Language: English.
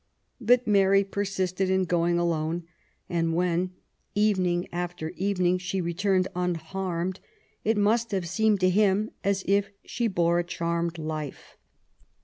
But Mary persisted in going alone ,* and when, evening after even ing, she returned unharmed, it must have seemed to him as if she bore a charmed life.